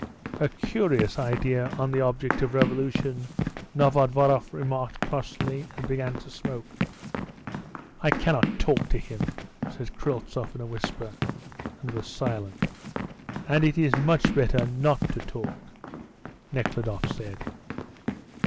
"A curious idea of the object of revolution," Novodvoroff remarked crossly, and began to smoke. "I cannot talk to him," said Kryltzoff in a whisper, and was silent. "And it is much better not to talk," Nekhludoff said.